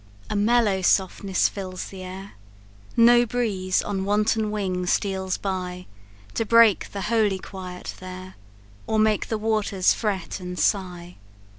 A mellow softness fills the air No breeze on wanton wing steals by, To break the holy quiet there, Or make the waters fret and sigh.